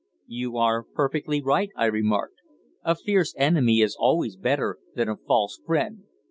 "You are perfectly right," I remarked. "A fierce enemy is always better than a false friend.